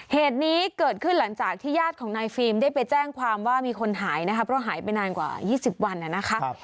เหตุนี้เกิดขึ้นหลังจากที่ญาติของนายฟิล์มได้ไปแจ้งความว่ามีคนหายนะคะเพราะหายไปนานกว่า๒๐วันนะคะ